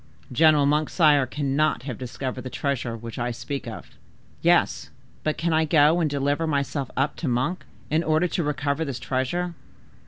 "General Monk, sire, cannot have discovered the treasure which I speak of." "Yes, but can I go and deliver myself up to Monk, in order to recover this treasure?